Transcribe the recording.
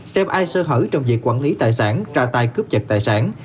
xem ai sơ hở trong việc quản lý tài sản ra tay cướp giật tài sản